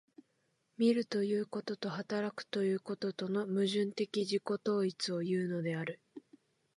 見るということと働くということとの矛盾的自己同一をいうのである。